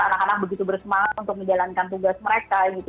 anak anak begitu bersemangat untuk menjalankan tugas mereka gitu